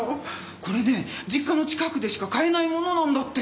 これね実家の近くでしか買えないものなんだって。